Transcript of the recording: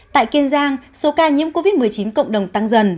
tại kiên giang số ca nhiễm covid một mươi chín cộng đồng tăng dần